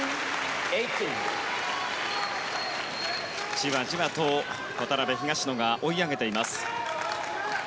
じわじわと渡辺、東野が追い上げています。